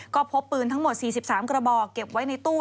ก็พบปืนทั้งหมด๔๓กระบอกเก็บไว้ในตู้